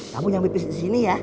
kamu jangan pipis disini ya